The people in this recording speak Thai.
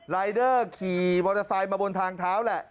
รายเดอร์ขี่มอเตอร์ไซค์มาบนทางเท้าแหละ